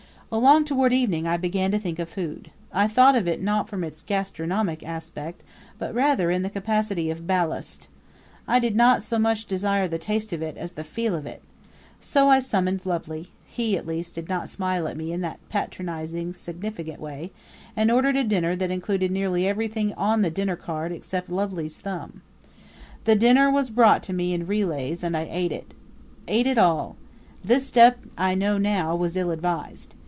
Along toward evening I began to think of food. I thought of it not from its gastronomic aspect, but rather in the capacity of ballast. I did not so much desire the taste of it as the feel of it. So I summoned Lubly he, at least, did not smile at me in that patronizing, significant way and ordered a dinner that included nearly everything on the dinner card except Lubly's thumb. The dinner was brought to me in relays and I ate it ate it all! This step I know now was ill advised.